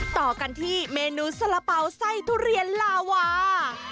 ต่อกันที่เมนูสละเป๋าไส้ทุเรียนลาวา